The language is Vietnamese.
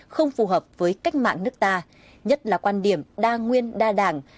không phù hợp với cách mạng nước ta nhất là quan điểm đa nguyên đa đảng